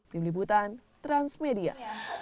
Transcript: tim liputan transmedia